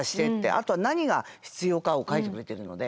あとは何が必要かを書いてくれているので。